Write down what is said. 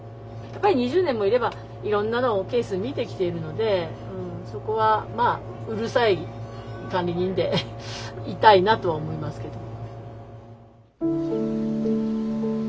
やっぱり２０年もいればいろんなのをケース見てきてるのでそこはまあうるさい管理人でいたいなとは思いますけど。